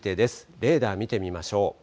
レーダー見てみましょう。